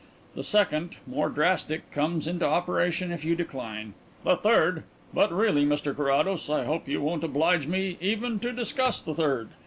The second, more drastic, comes into operation if you decline. The third but really, Mr Carrados, I hope you won't oblige me even to discuss the third.